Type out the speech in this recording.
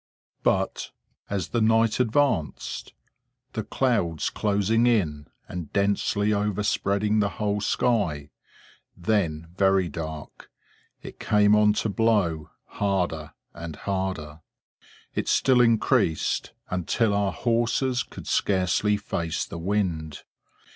But, as the night advanced, the clouds closing in and densely overspreading the whole sky, then very dark, it came on to blow, harder and harder. It still increased, until our horses could scarcely face the wind.